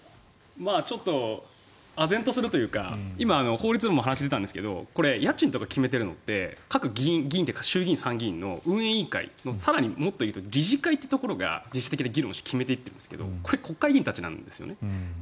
ちょっとあぜんとするというか今、法律の話も出たんですがこれ、家賃とか決めているのって各議院、議院というか衆議院、参議院の運営委員会のもっと言えば上の理事会というところが自主的に議論して決めているんですがこれ、国会議員たちなんです。